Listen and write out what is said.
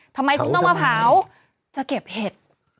ทำไมคุณต้องมาเผาจะเก็บเห็ด